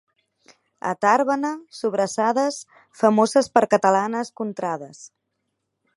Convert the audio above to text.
A Tàrbena, sobrassades, famoses per catalanes contrades.